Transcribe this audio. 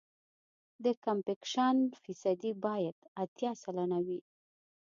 د کمپکشن فیصدي باید اتیا سلنه وي